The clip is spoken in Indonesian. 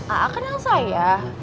a'a kenal saya